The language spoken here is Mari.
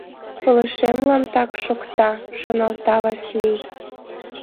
Пылышемлан так шокта, — шоналта Васлий.